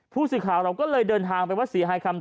ผู้สิทธิ์ขาวเราก็เลยเดินทางไปวัดศรีไห้คำ